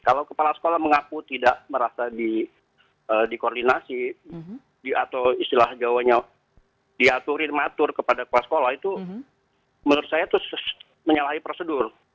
kalau kepala sekolah mengaku tidak merasa dikoordinasi atau istilah jawanya diaturin matur kepada kepala sekolah itu menurut saya itu menyalahi prosedur